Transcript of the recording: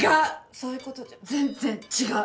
そういう事じゃ全然違う！